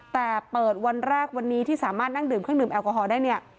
แต่เปิดวันแรกวันนี้ที่สามารถนั่งดื่มเครื่องดื่แอลกอฮอลได้เนี่ย